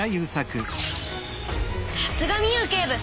さすがミウ警部！